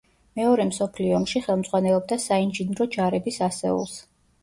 მეორე მსოფლიო ომში ხელმძღვანელობდა საინჟინრო ჯარების ასეულს.